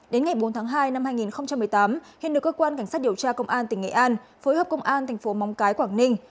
đến ngày bốn tháng hai năm hai nghìn một mươi tám hên được cơ quan cảnh sát điều tra công an tỉnh nghệ an phối hợp công an thành phố móng cái quảng ninh